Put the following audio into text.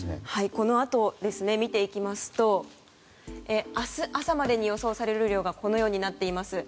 このあとを見ていきますと明日朝までに予想される雨量がこのようになっています。